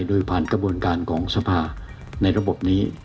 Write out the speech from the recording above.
โดยผ่านกระบวนการของสภาในระบบนี้